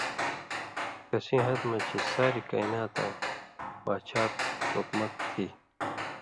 کسیں ہتہۡ مہ چے (ساریۡ کائناتَیں) باچھات/حُکمت تھی